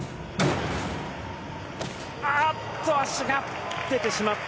あっと足が出てしまった。